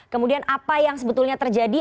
kemudian apa yang sebetulnya terjadi